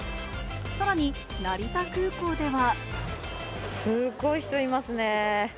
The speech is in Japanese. さらに成田空港では。